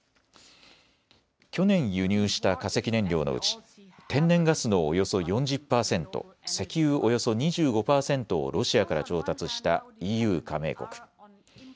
去年、輸入した化石燃料のうち天然ガスのおよそ４０％、石油およそ２５％をロシアから調達したＥＵ加盟国。